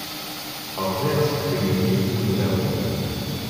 Rẓiɣ aselkim-nni udmawan.